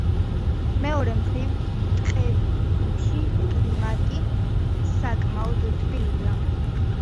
მეორე მხრივ, ტყეებში კლიმატი საკმაოდ თბილია.